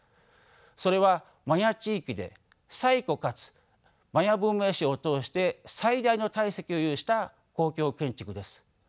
それはマヤ地域で最古かつマヤ文明史を通して最大の体積を有した公共建築です。